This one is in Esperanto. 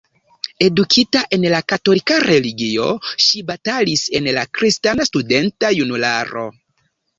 Edukita en la katolika religio, ŝi batalis en la kristana studenta junularo.